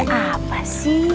ada apa sih